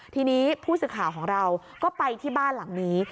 ทีนี้ผู้สื่อข่าวของเราก็ไปที่บ้านหลังนี้